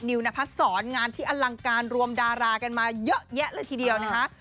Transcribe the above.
วนพัดศรงานที่อลังการรวมดารากันมาเยอะแยะเลยทีเดียวนะคะ